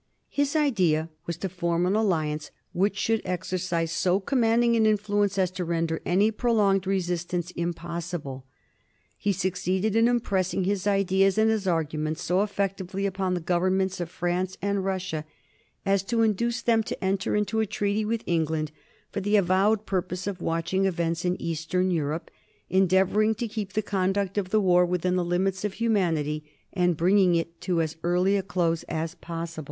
His idea was to form an alliance which should exercise so commanding an influence as to render any prolonged resistance impossible. He succeeded in impressing his ideas and his arguments so effectively upon the Governments of France and Russia as to induce them to enter into a treaty with England for the avowed purpose of watching events in Eastern Europe, endeavoring to keep the conduct of the war within the limits of humanity, and bringing it to as early a close as possible.